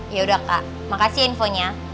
yaudah kak makasih ya infonya